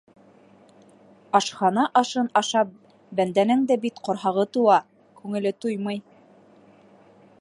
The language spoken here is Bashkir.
Ашхана ашын ашап бәндәнең дә бит ҡорһағы тула - күңеле туймай.